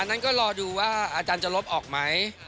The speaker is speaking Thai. นั้นก็รอดูว่าอาจารย์จะลบออกไหม